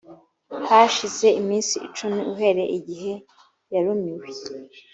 hashize iminsi icumi uhereye igihe yarumiwe